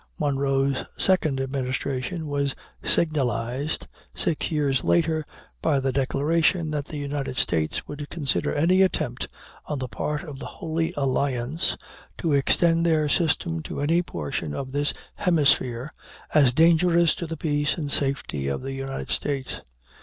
Monroe's second administration was signalized, six years later, by the declaration that the United States would consider any attempt on the part of the Holy Alliance to extend their system to any portion of this hemisphere as dangerous to the peace and safety of the United States.